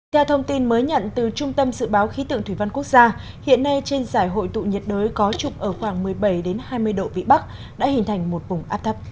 theo thông tin mới nhận từ trung tâm dự báo khí tượng thủy văn quốc gia hiện nay trên giải hội tụ nhiệt đới có trục ở khoảng một mươi bảy hai mươi độ vĩ bắc đã hình thành một vùng áp thấp